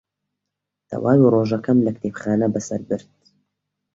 تەواوی ڕۆژەکەم لە کتێبخانە بەسەر برد.